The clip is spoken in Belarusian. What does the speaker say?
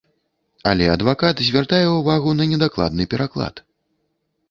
Але адвакат звяртае ўвагу на недакладны пераклад.